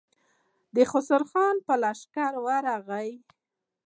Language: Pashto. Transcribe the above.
د خسرو خان پر لښکر ورغلل.